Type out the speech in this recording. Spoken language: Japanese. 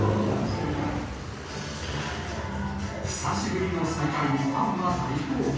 久しぶりの再会にファンは大興奮。